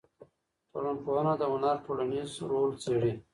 ټولنپوهنه د هنر ټولنیز رول څېړي.